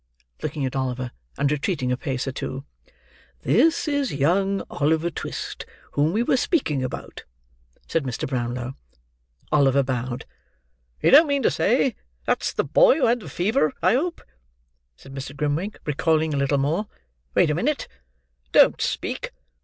looking at Oliver, and retreating a pace or two. "This is young Oliver Twist, whom we were speaking about," said Mr. Brownlow. Oliver bowed. "You don't mean to say that's the boy who had the fever, I hope?" said Mr. Grimwig, recoiling a little more. "Wait a minute! Don't speak!